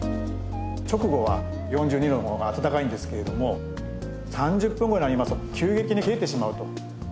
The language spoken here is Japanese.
直後は４２度の方が温かいんですけれども３０分後になりますと急激に冷えてしまうと。